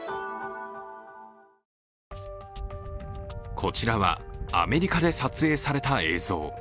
こちらは、アメリカで撮影された映像。